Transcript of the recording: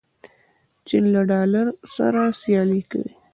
چین له ډالر سره سیالي کوي.